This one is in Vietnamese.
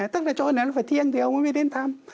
tức là chỗ này nó phải thiêng thì ông ấy mới đến thăm